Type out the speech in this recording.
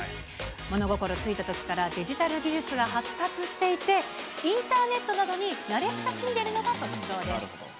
物心ついたときからデジタル技術が発達していて、インターネットなどに慣れ親しんでいるのが特徴です。